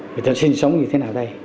người ta sinh sống như thế nào đây